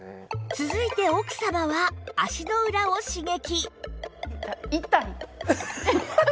続いて奥様は足の裏を刺激